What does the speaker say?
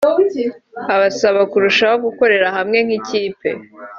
asaba kurushaho gukorera hamwe nk’ikipe